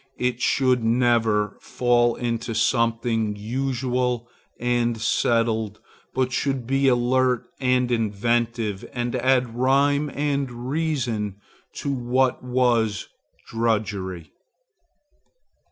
It should never fall into something usual and settled, but should be alert and inventive and add rhyme and reason to what was drudgery.